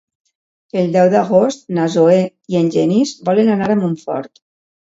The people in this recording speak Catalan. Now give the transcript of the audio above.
El deu d'agost na Zoè i en Genís volen anar a Montfort.